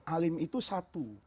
alim itu satu